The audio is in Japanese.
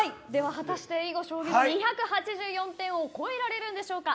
果たして囲碁将棋の２８４点を超えられるんでしょうか。